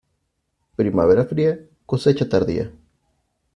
Primavera fría, cosecha tardía.